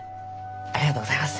ありがとうございます。